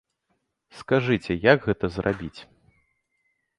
Скажыце, як гэта зрабіць?